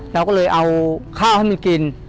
เราก็เลยเอาข้าวให้มันกิน